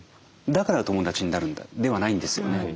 だから友達になるんだ」ではないんですよね。